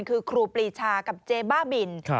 คือครูปรีชากับเจ๊บ้าบิน